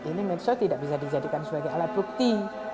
ini medsos tidak bisa dijadikan sebagai alat bukti